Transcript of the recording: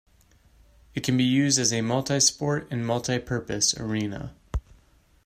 It can be used as a multi-sport and multi-purpose arena.